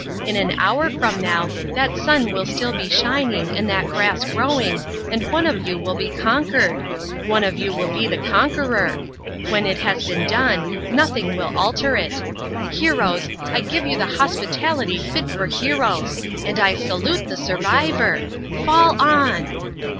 In an hour from now that sun will still be shining and that grass growing, and one of you will be conquered; one of you will be the conqueror. When it has been done, nothing will alter it. Heroes, I give you the hospitality fit for heroes. And I salute the survivor. Fall on!"